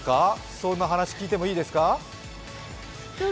そんなお話、聞いてもいいですか？